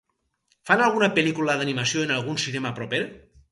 Fan alguna pel·lícula d'animació en algun cinema proper?